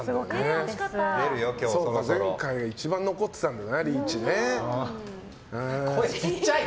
前回が一番残ってたんでねリーチが。